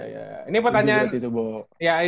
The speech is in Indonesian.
dari keseluruhan gue lebih suka amrik aja